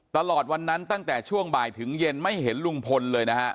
ตลอดวันนั้นตั้งแต่ช่วงบ่ายถึงเย็นไม่เห็นลุงพลเลยนะฮะ